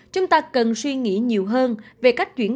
chúng ta cần suy nghĩ nhiều hơn về cách chuyển